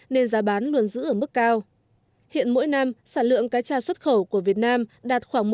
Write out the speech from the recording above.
nên giá bán luôn giữ ở mức cao hiện mỗi năm sản lượng cá cha xuất khẩu của việt nam đạt khoảng một mươi